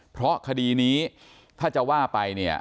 เพราะคดีนี้ถ้าจะว่าไป